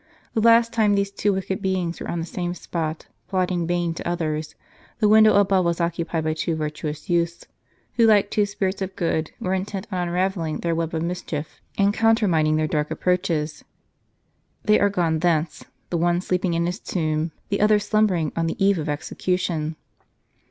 The last time these two wicked beings were on the same spot, plotting bane to others, the window above was occupied by two virtuous youths, who, like two spirits of good, were intent on unravelling their web of mischief, and countermining their dark approaches. They are gone thence, the one sleeping in his tomb, the other slum bering on the eve of execution.